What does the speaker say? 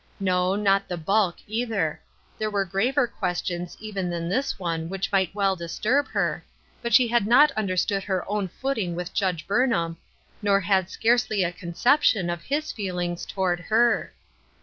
No, not the bulk either ; there were graver questions even than this one which might well disturb her, but she had not understood her own footing with Judge Burnham, nor had 242 Ruth Erskine's Crosses. scarcely a conception of his feelings toward her.